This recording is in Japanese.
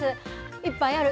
いっぱいある。